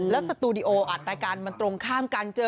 และสตูดิโออัดไปกันมันตรงข้ามกันเจอ